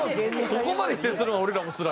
そこまで否定するのは俺らもつらいわ。